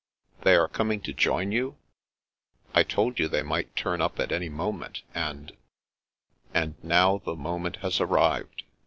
" They are coming to join you ?"" I told you they might turn up at any moment, and "" And now the moment has arrived.